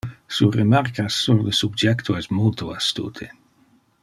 Su remarcas sur le subjecto es multo astute.